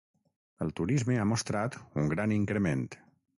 El turisme ha mostrat un gran increment.